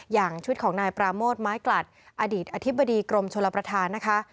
อย่างชุดของนายปราโมทไม้กลัดอดีตอธิบดีกรมชลประธานนะคะ